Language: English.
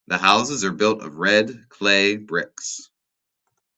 The houses are built of red clay bricks.